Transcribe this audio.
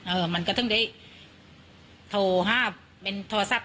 เออมันก็ทั้งเดียวโทรห้าเป็นโทรศัพท์